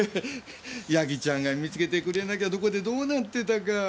矢木ちゃんが見つけてくれなきゃどこでどうなってたか。